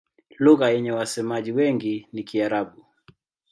Lugha yenye wasemaji wengi ni Kiarabu.